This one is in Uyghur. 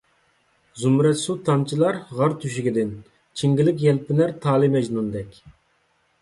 زۇمرەت سۇ تامچىلار غار تۆشۈكىدىن، چىڭگىلىك يەلپۈنەر تالى مەجنۇندەك،